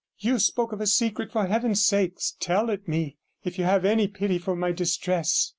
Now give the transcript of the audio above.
You spoke of a secret; for Heaven's sake tell it me, if you have any pity for my distress.'